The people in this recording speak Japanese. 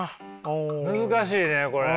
難しいねこれ。